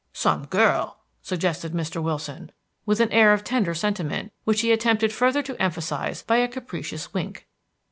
"Some girl," suggested Mr. Willson, with an air of tender sentiment, which he attempted further to emphasize by a capricious wink.